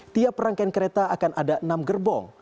tiap rangkaian kereta akan ada enam gerbong